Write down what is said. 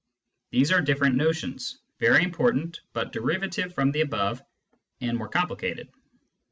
These are different notions, very important, but derivative from the above and more complicated.